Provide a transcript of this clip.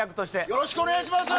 よろしくお願いします！